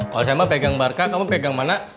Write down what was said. kalau saya mang pegang barka kamu pegang mana